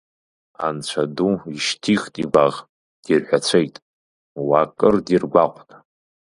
Анцәа ду ишьҭихт игәаӷ, дирҳәацәеит, уа, кыр диргәаҟт.